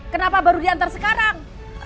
kenapa baru diantar sekarang